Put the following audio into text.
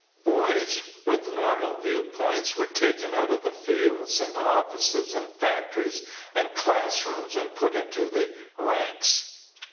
Boys with a normal viewpoint were taken out of the fields and offices and factories and classrooms and put into the ranks.